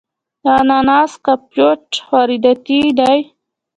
د اناناس کمپوټ وارداتی دی.